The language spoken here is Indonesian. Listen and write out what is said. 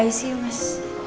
di icu mas